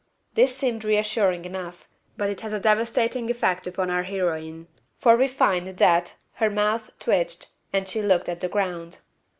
This seemed reassuring enough, but it has a devastating effect upon our heroine, for we find that "Her mouth twitched, and she looked at the ground."